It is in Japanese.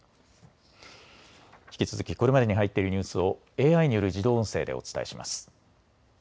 引き続きこれまでに入っているニュースをＡＩによる自動音声でお伝えします。